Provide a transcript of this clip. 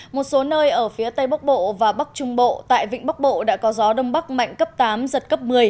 một số nơi ở phía tây bắc bộ và bắc trung bộ tại vịnh bắc bộ đã có gió đông bắc mạnh cấp tám giật cấp một mươi